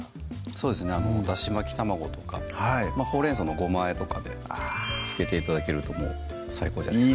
そうですねだし巻き卵とかほうれん草のごま和えとかで付けて頂けるともう最高じゃないですか？